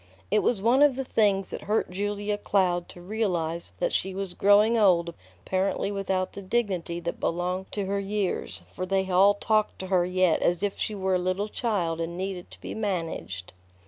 It was one of the things that hurt Julia Cloud to realize that she was growing old apparently without the dignity that belonged to her years, for they all talked to her yet as if she were a little child and needed to be managed.